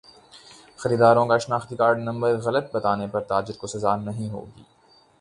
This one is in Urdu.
خریداروں کا شناختی کارڈ نمبر غلط بتانے پر تاجر کو سزا نہیں ہوگی